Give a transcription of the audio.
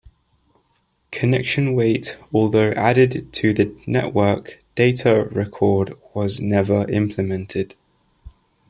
Connection weight although added to the network data record was never implemented.